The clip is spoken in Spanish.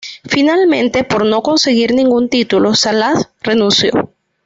Finalmente, por no conseguir ningún título, Salah renunció.